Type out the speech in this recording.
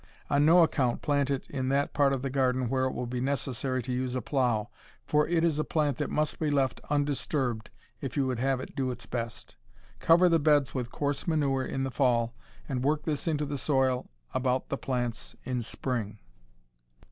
On no account plant it in that part of the garden where it will be necessary to use a plow, for it is a plant that must be left undisturbed if you would have it do its best. Cover the beds with coarse manure in the fall, and work this into the soil about the plants in spring.